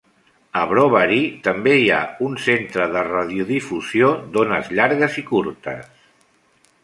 A Brovary també hi ha un centre de radiodifusió d'ones llargues i curtes.